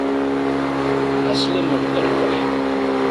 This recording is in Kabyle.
Ɛeslama-k, a rrbeḥ!